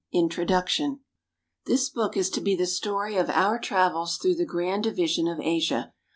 INTRODUCTION THIS book is to be the story of our travels through the grand division of Asia.